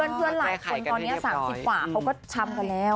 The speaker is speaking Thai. เพื่อนหลายคนตอนนี้๓๐กว่าเขาก็ช้ำกันแล้ว